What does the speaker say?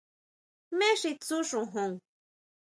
¿Jmé xi tsú xojon?